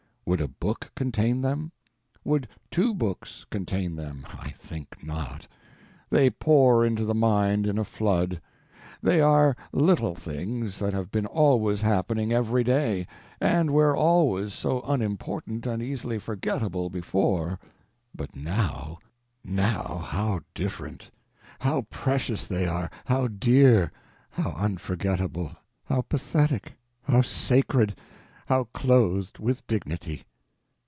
Would a book contain them? Would two books contain them? I think not. They pour into the mind in a flood. They are little things that have been always happening every day, and were always so unimportant and easily forgettable before—but now! Now, how different! how precious they are, how dear, how unforgettable, how pathetic, how sacred, how clothed with dignity!